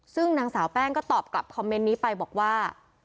ซึ่งนางสาวแป้งก็ตอบกลับคอมเมนต์นี้ไปบอกว่า